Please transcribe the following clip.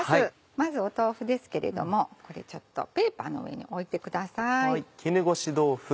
まず豆腐ですけれどもこれペーパーの上に置いてください。